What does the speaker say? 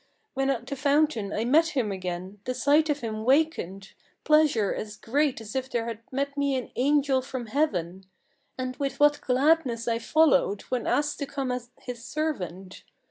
When at the fountain I met him again, the sight of him wakened Pleasure as great as if there had met me an angel from heaven; And with what gladness I followed, when asked to come as his servant.